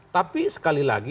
tapi sekali lagi